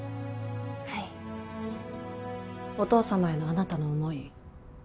はいお父様へのあなたの思い